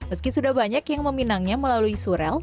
meski sudah banyak yang meminangnya melalui surel